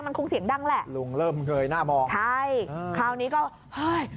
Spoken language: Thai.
มันคงเสียงดังแหละลุงเริ่มเงยหน้ามองใช่คราวนี้ก็เฮ้ย